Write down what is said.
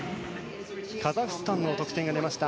カザフスタンの得点が出ました。